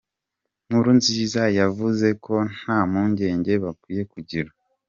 Nkurunziza yavuze ko nta mpungenge bakwiye kugira.